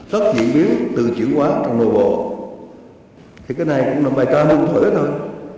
thì cái này cũng là vài ca hương thở thôi